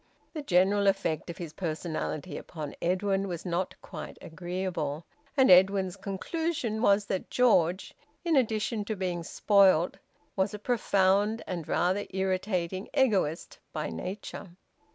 The general effect of his personality upon Edwin was not quite agreeable, and Edwin's conclusion was that George, in addition to being spoiled, was a profound and rather irritating egoist by nature.